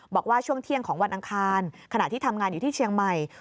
บอกว่าช่วงเที่ยงของวันอังคารขณะที่ทำงานอยู่ที่เชียงใหม่